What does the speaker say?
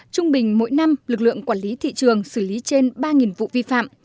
trung bình mỗi năm lực lượng quản lý thị trường xử lý trên ba vụ vi phạm